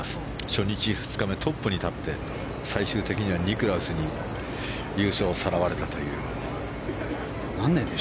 初日、２日目トップに立って最終的には、ニクラウスに優勝をさらわれたという。